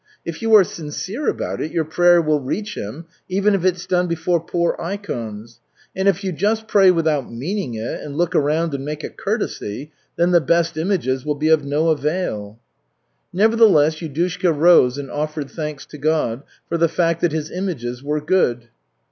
If you are sincere about it, your prayer will reach Him, even if it's done before poor ikons. And if you just pray without meaning it, and look around and make a courtesy, then the best images will be of no avail." Nevertheless, Yudushka rose and offered thanks to God for the fact that his images were "good."